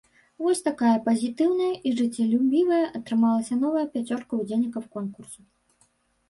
Вось такая пазітыўная і жыццелюбівая атрымалася новая пяцёрка ўдзельнікаў конкурсу.